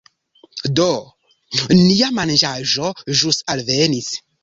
Do, nia manĝaĵo ĵus alvenis